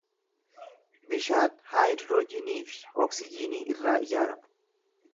Bishaan haayidiroojiinii fi oksijiinii irraa ijaarama.